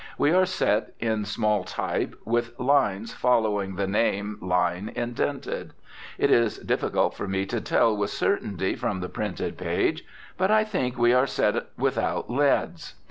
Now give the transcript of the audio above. We are set in small type with lines following the name line indented. It is difficult for me to tell with certainty from the printed page but I think we are set without leads.